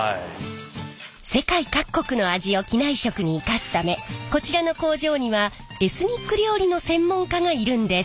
世界各国の味を機内食に生かすためこちらの工場にはエスニック料理の専門家がいるんです。